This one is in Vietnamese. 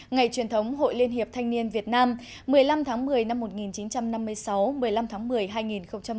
ngày truyền thống hội liên hiệp thanh niên việt nam một mươi năm tháng một mươi năm một nghìn chín trăm năm mươi sáu một mươi năm tháng một mươi hai nghìn một mươi chín